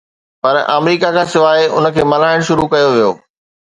پر آمريڪا کان سواءِ ان کي ملهائڻ شروع ڪيو ويو